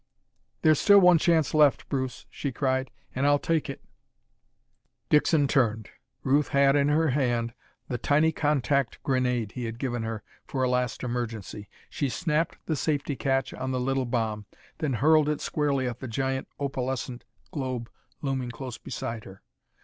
"There's still one chance left, Bruce," she cried, "and I'll take it!" Dixon turned. Ruth had in her hand the tiny contact grenade he had given her for a last emergency. She snapped the safety catch on the little bomb, then hurled it squarely at the giant opalescent globe looming close beside her.